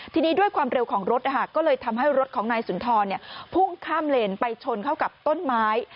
ทีนี้ด้วยความเร็วของรถก็เลยทำให้รถของนายสุนทรพุ่งข้ามเลนไปชนเข้ากับต้นไม้